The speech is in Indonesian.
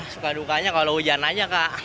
suka dukanya kalau hujan aja kak